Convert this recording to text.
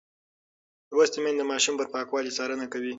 لوستې میندې د ماشوم پر پاکوالي څارنه کوي.